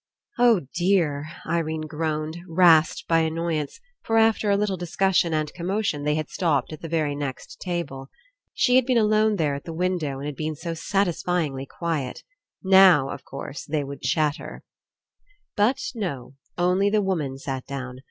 14 ENCOUNTER "Oh dear I" Irene groaned, rasped by annoyance, for after a little discussion and com motion they had stopped at the very next table. She had been alone there at the window and It had been so satisfylngly quiet. Now, of course, they would chatter. But no. Only the woman sat down.